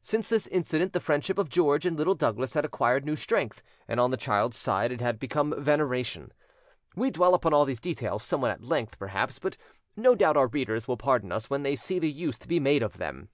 Since this incident the friendship of George and Little Douglas had acquired new strength, and on the child's side it had become veneration. We dwell upon all these details somewhat at length, perhaps, but no doubt our readers will pardon us when they see the use to be made of them.